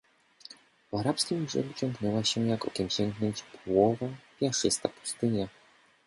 Po arabskim brzegu ciągnęła się jak okiem sięgnąć płowa, piaszczysta pustynia.